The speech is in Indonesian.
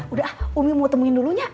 udah ah umi mau temuin dulunya